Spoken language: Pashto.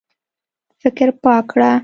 فکر پاک کړه.